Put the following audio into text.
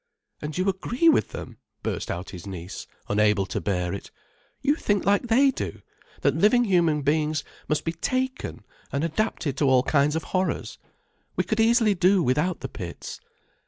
"And you agree with them," burst out his niece, unable to bear it. "You think like they do—that living human beings must be taken and adapted to all kinds of horrors. We could easily do without the pits."